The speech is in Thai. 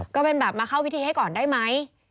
ก็เป็นแบบมาเข้าพิธีให้ก่อนได้ไหม